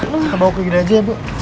mbak mau ke gereja mbak